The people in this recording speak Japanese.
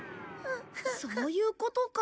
そういうことか。